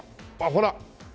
ほら！